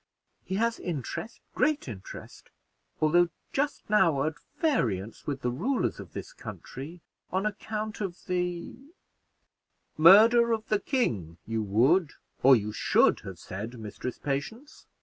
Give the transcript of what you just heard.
He has interest great interest although just now at variance with the rulers of this country, on account of the " "Murder of the king, you would or you should have said, Mistress Patience.